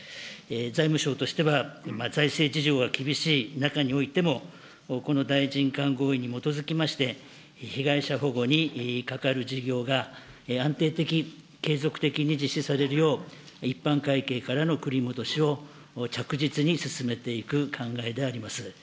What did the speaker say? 財務省としては、財政事情が厳しい中においても、この大臣間合意に基づきまして、被害者保護にかかる事業が安定的、継続的に実施されるよう、一般会計からの繰り戻しを着実に進めていく考えであります。